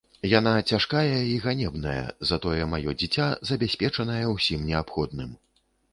Яна цяжкая і ганебная, затое маё дзіця забяспечанае ўсім неабходным.